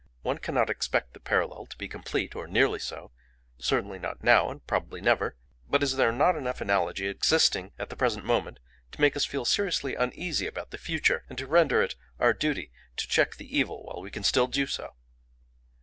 One cannot expect the parallel to be complete or nearly so; certainly not now, and probably never; but is there not enough analogy existing at the present moment, to make us feel seriously uneasy about the future, and to render it our duty to check the evil while we can still do so?